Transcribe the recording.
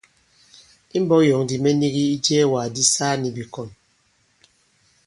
I mbɔ̄k yɔ̌ŋ ndī mɛ nigi ijɛɛwàk di saa nì bìkɔ̀n.